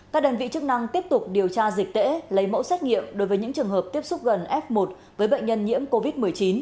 các đơn vị chức năng tiếp tục điều tra dịch tễ lấy mẫu xét nghiệm đối với những trường hợp tiếp xúc gần f một với bệnh nhân nhiễm covid một mươi chín